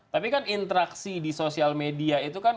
tapi kan interaksi di sosial media itu kan